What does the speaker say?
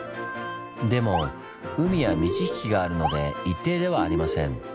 でも海は満ち引きがあるので一定ではありません。